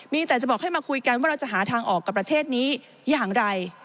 มีแต่จะบอกให้มาคุยกันว่าเราจะหาทางออกกับประเทศนี้อย่างไร